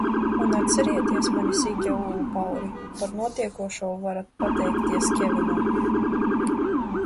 Un atcerieties, mani sīkie olu pauri, par notiekošo varat pateikties Kevinam!